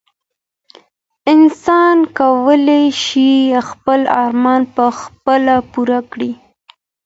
انسان کولای شي خپل ارمان په خپله پوره کړي.